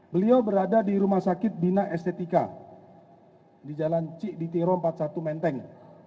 beliau berada di rumah sakit bina estetika di jalan cik ditiro empat puluh satu menteng